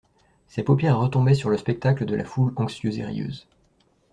Ses paupières retombaient sur le spectacle de la foule anxieuse et rieuse.